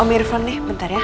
om irfan nih bentar ya